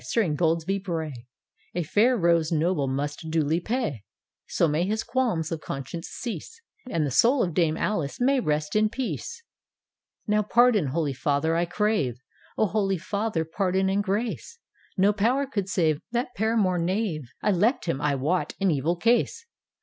Sir Ingoldsby Bray A fair rose noble must duly pay I So may his qualms of conscience cease. And the soul of Dame Alice may rest in peace 1 " D,gt,, erihyGOO^IC The Ingoldsby Penance 93 " Now pardon. Holy Father, I crave, Holy Father, pardon and grace! No power could save That paramour knave; 1 left him, I wot, in evil case!